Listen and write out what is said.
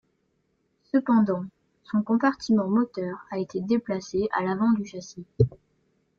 Cependant, son compartiment moteur a été déplacé à l'avant du châssis.